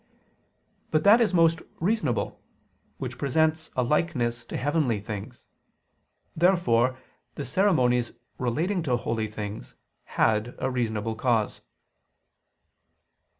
But that is most reasonable, which presents a likeness to heavenly things. Therefore the ceremonies relating to holy things had a reasonable cause.